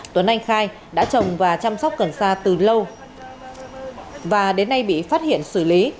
tuấn anh khai đã trồng và chăm sóc cần sa từ lâu và đến nay bị phát hiện xử lý